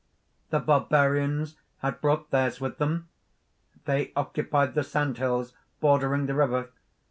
"The Barbarians had brought theirs with them. They occupied the sand hills bordering the river.